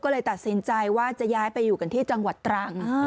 ก็เลยตัดสินใจว่าจะย้ายไปอยู่กันที่จังหวัดตรัง